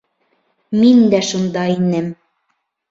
Мин дә шунда инем.